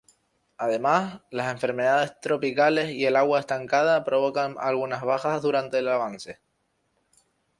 Además, las enfermedades tropicales y el agua estancada provocaron algunas bajas durante el avance.